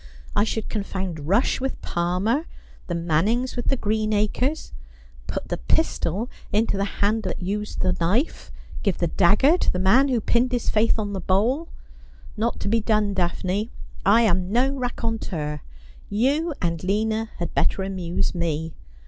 I should confound Rush with Palmer, the Man nings with the Greenacres ; put the pistol into the hand that 'Love wol not he Constreined by Maistrie.' 203 used the knife ; give the dagger to the man who pinned his faith on the bowl. Not to be done, Daphne. I am no raconteur. You or Lina had better amuse me.